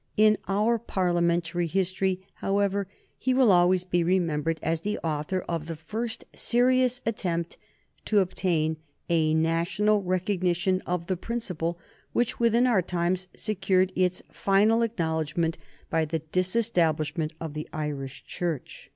In our Parliamentary history, however, he will always be remembered as the author of the first serious attempt to obtain a national recognition of the principle which, within our own times, secured its final acknowledgment by the disestablishment of the Irish Church.